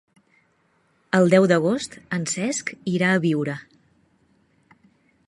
El deu d'agost en Cesc irà a Biure.